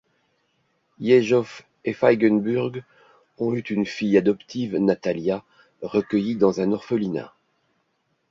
Iejov et Feigenburg ont eu une fille adoptive, Natalia, recueillie dans un orphelinat.